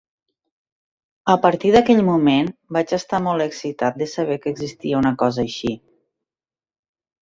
A partir d'aquell moment, vaig estar molt excitat de saber que existia una cosa així.